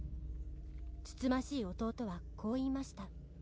「つつましい弟はこう言いました」